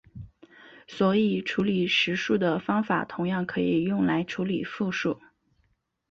所以处理实数的方法同样可以用来处理复数。